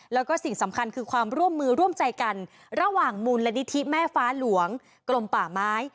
แล้วก็สิ่งสำคัญคือความร่วมมือร่วมใจกันระหว่างมูลนิธิแม่ฟ้าหลวงกลมป่าไม้